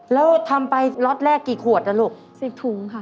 แล้วทำไปล็อตแรกกี่ขวดนะลูกสิบถุงค่ะ